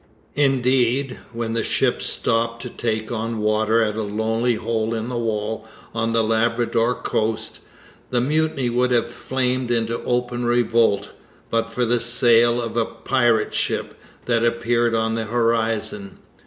Indeed, when the ships stopped to take on water at a lonely 'hole in the wall' on the Labrador coast, the mutiny would have flamed into open revolt but for the sail of a pirate ship that appeared on the horizon.